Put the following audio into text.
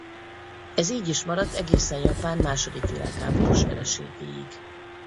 Ez így is maradt egészen Japán második világháborús vereségéig.